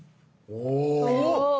お！